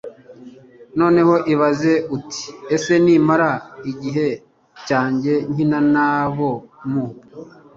noneho ibaze uti ese nimara igihe cyanjye nkina n abo mu